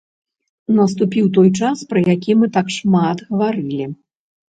Наступіў той час, пра які мы так шмат гаварылі.